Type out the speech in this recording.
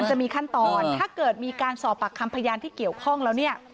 จะมีขั้นตอนถ้าเกิดมีการสอบปากคำพยานที่เกี่ยวข้องแล้วเนี่ย